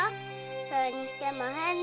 それにしても変ね。